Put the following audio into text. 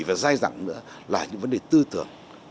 và dai dẳng nữa là những vấn đề tư tưởng